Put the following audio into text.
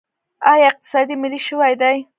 آیا اقتصاد ملي شوی دی؟